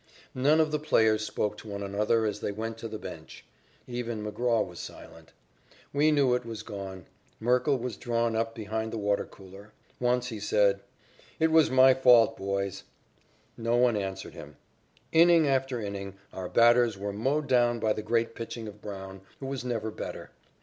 None of the players spoke to one another as they went to the bench. Even McGraw was silent. We knew it was gone. Merkle was drawn up behind the water cooler. Once he said: "It was my fault, boys." No one answered him. Inning after inning, our batters were mowed down by the great pitching of Brown, who was never better.